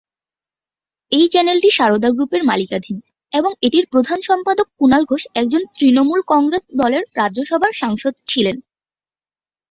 এই চ্যানেলটি সারদা গ্রুপের মালিকানাধীন এবং এটির প্রধান সম্পাদক কুনাল ঘোষ একজন তৃণমূল কংগ্রেস দলের রাজ্যসভার সাংসদ ছিলেন।